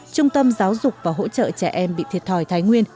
trung tâm giáo dục và hỗ trợ trẻ em bị thiệt thòi thái nguyên